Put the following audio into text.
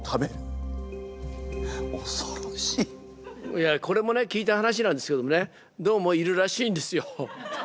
いやこれもね聞いた話なんですけどもねどうもいるらしいんですよ。